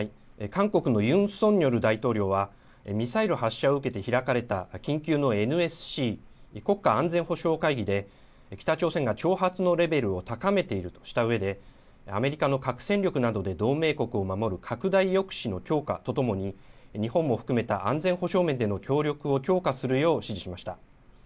韓国のユン・ソンニョル大統領はミサイル発射を受けて開かれた緊急のＮＳＣ・国家安全保障会議で北朝鮮が挑発のレベルを高めているとしたうえでアメリカの核戦力などで同盟国を守る拡大抑止の強化とともに日本も含めた安全保障面での協力を強化するよう指示しました。